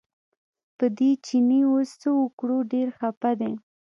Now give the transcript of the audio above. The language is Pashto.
په دې چیني اوس څه وکړو ډېر خپه دی.